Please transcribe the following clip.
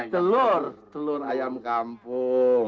telur telur ayam kampung